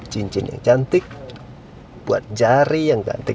cincin yang cantik buat jari yang cantik